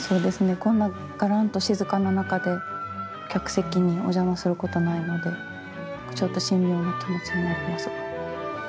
こんながらんと静かな中で客席にお邪魔することないのでちょっと神妙な気持ちになりますが。